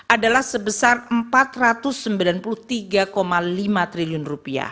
adalah sebesar rp empat ratus sembilan puluh tiga lima triliun